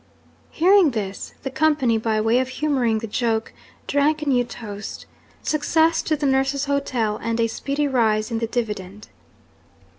Hearing this, the company, by way of humouring the joke, drank a new toast: Success to the nurse's hotel, and a speedy rise in the dividend!